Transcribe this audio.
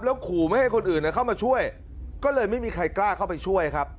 ขู่ไม่ให้คนอื่นเข้ามาช่วยก็เลยไม่มีใครกล้าเข้าไปช่วยครับ